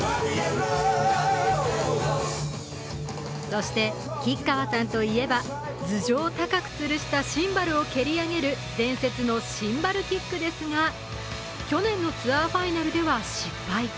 そして、吉川さんといえば頭上高くつるしたシンバルを蹴り上げる伝説のシンバルキックですが、去年のツアーファイナルでは失敗。